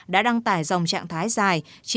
đã đăng tải dòng trạng thái dài